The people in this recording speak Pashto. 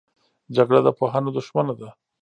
جګړه د پوهانو دښمنه ده